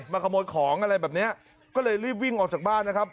มาขโมยของอะไรแบบเนี้ยก็เลยรีบวิ่งออกจากบ้านนะครับ